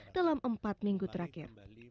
dalam empat minggu terakhir